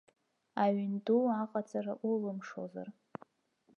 Аҩн ду аҟаҵара улымшозар.